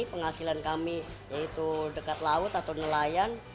penghasilan kami yaitu dekat laut atau nelayan